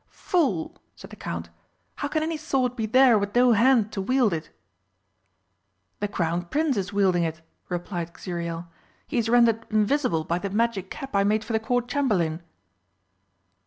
"Fool!" said the Count, "how can any sword be there with no hand to wield it?" "The Crown Prince is wielding it," replied Xuriel. "He is rendered invisible by the magic cap I made for the Court Chamberlain!"